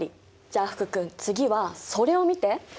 じゃあ福君次はそれを見て。